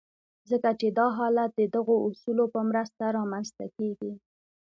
ځکه چې دا حالت د دغو اصولو په مرسته رامنځته کېږي.